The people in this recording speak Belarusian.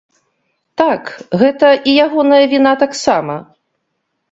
Так, гэта і ягоная віна таксама.